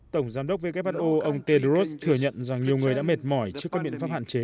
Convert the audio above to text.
tổng giám đốc who ông tedros thừa nhận rằng nhiều người đã mệt mỏi trước các biện pháp hạn chế